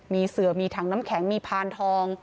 มีเสือมีถังน้ำแข็งมีพานทอง